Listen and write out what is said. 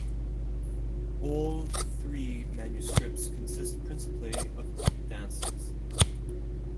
All three manuscripts consist principally of dances.